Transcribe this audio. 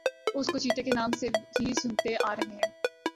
اس کو چیتا کے نام سے ہی سنتے آرہے ہیں